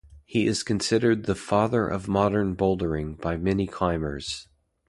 He is considered "the Father of Modern Bouldering" by many climbers.